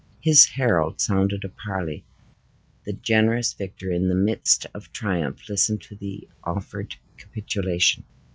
His herald sounded a parley. The generous victor, in the midst of triumph, listened to the offered capitulation.